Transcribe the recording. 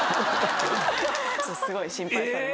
すごい心配されました。